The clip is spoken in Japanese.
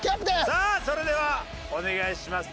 さあそれではお願いします。